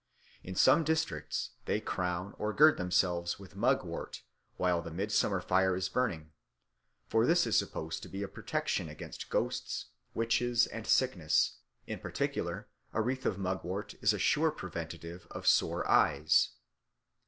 In some districts they crown or gird themselves with mugwort while the midsummer fire is burning, for this is supposed to be a protection against ghosts, witches, and sickness; in particular, a wreath of mugwort is a sure preventive of sore eyes.